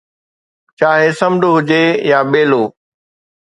چاهي سمنڊ هجي يا ٻيلو